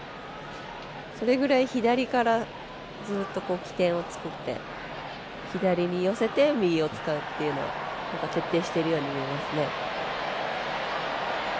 それぐらい左からずっと起点を作って左に寄せて右を使うっていうのを徹底しているように見えますね。